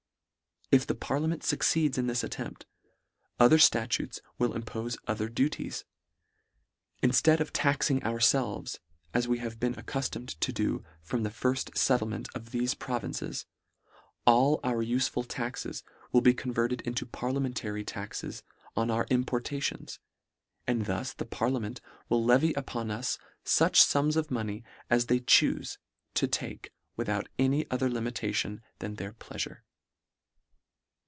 If the par liament fucceeds in this attempt, other fla tutes will impofe other duties. Inftead of taxing ourfeives as we have been accuftomed to do from the firft fettlement of thefe pro vinces ; all our ufeful taxes will be convert ed into parliamentary taxes on our importa tions ; and thus the parliament will levy up on us fuch fums of money as they chufe to take, without any other limitation than their pleafure.